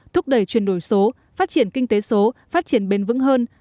thúc đẩy chuyển đổi số phát triển kinh tế số phát triển bền vững hơn